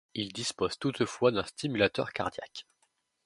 Il dispose toutefois d'un stimulateur cardiaque.